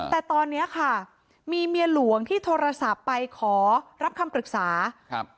แต่ตอนนี้ค่ะมีเมียหลวงที่โทรศัพท์ไปขอรับคำปรึกษาครับ